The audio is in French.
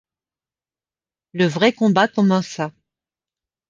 Le vrai combat commença.